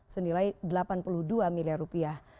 senilai delapan puluh dua miliar rupiah